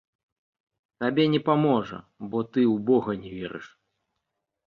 Табе не паможа, бо ты ў бога не верыш.